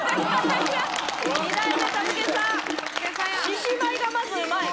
獅子舞がまずうまい。